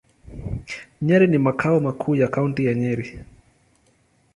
Nyeri ni makao makuu ya Kaunti ya Nyeri.